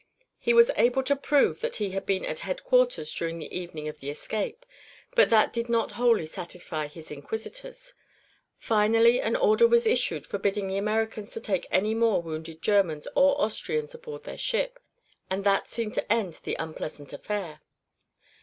He was able to prove that he had been at headquarters during the evening of the escape, but that did not wholly satisfy his inquisitors. Finally an order was issued forbidding the Americans to take any more wounded Germans or Austrians aboard their ship, and that seemed to end the unpleasant affair.